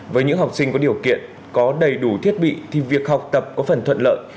với những học sinh có điều kiện có đầy đủ thiết bị thì việc học tập có phần thuận lợi